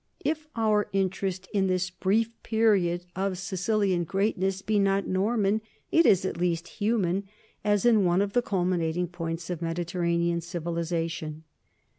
If our interest in this brief period of Sicilian greatness be not Norman, it is at least human, as in one of the culminating points of Mediterranean civilization.